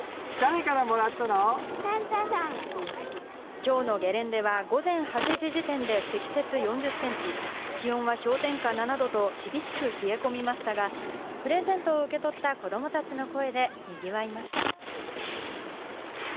今日のゲレンデでは午前８時時点で積雪４０センチ、気温は氷点下７度と厳しく冷え込みましたが、プレゼントを受け取った子供たちの声で、にぎわいました。